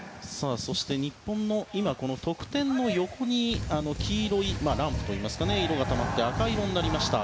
そして、日本の得点の横に黄色いランプといいますか色がともって赤色になりました。